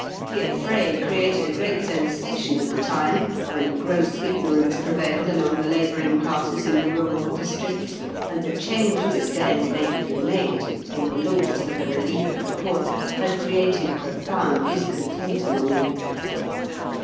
'^The aflfray created a great sensation at the time, when gross ignorance prevailed among the labouiing classes in the rural districts, and the changes then lately made in the laws for the relief of the poor had created profound discontent among them."